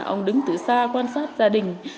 ông đứng từ xa quan sát gia đình